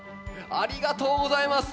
ありがとうございます。